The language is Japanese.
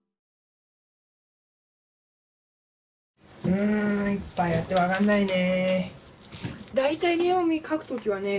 うんいっぱいあって分かんないね。